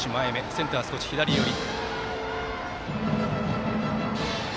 センター少し左寄り。